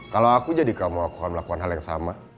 kalau aku jadi kamu akan melakukan hal yang sama